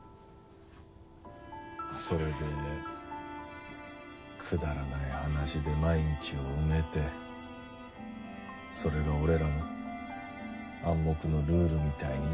それでねくだらない話で毎日を埋めてそれが俺らの暗黙のルールみたいになってて。